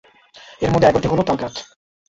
এর মধ্যে এগারটি হলো তালগাছ।